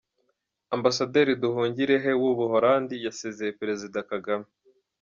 Ambasaderi Nduhungirehe w’u Buhorandi yasezeye Perezida Kagame